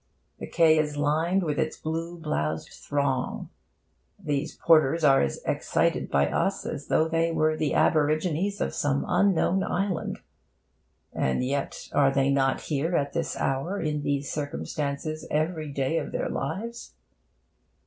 The quay is lined with its blue bloused throng. These porters are as excited by us as though they were the aborigines of some unknown island. (And yet, are they not here, at this hour, in these circumstances, every day of their lives?)